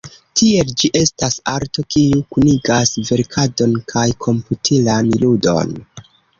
Tiel, ĝi estas arto, kiu kunigas verkadon kaj komputilan ludon.